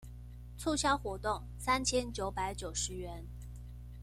促銷活動三千九百九十元